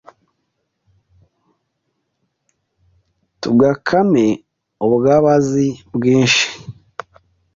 Tugukame ubwabazi bwinshi